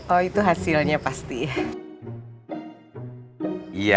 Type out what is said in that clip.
oh itu hasilnya pasti ya